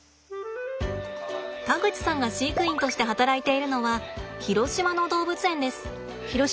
田口さんが飼育員として働いているのは広島の動物園です。